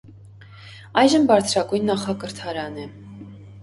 Այժմ բարձրագույն նախակրթարան է։